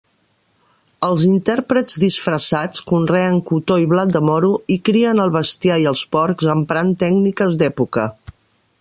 Els intèrprets disfressats conreen cotó i blat de moro i crien el bestiar i els porcs emprant tècniques d'època.